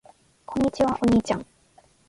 こんにちは。お兄ちゃん。